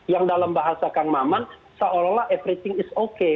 yang dalam bahasa kang maman seolah olah everything is okay